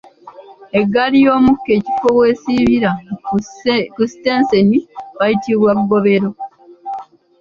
Eggaali y’omukka ekifo w’esibira ku sitenseni wayitibwa ggobero.